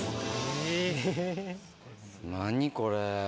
え・何これ。